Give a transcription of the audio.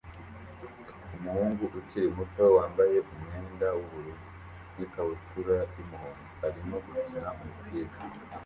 Umuhungu ukiri muto wambaye umwenda w'ubururu n'ikabutura y'umuhondo arimo gukina umupira